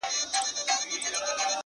ستا د خولې دعا لرم ؛گراني څومره ښه يې ته؛